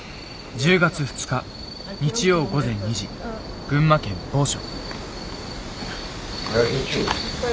１０月２日日曜午前２時群馬県某所。